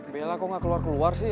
bella kok gak keluar keluar sih